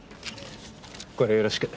これよろしく。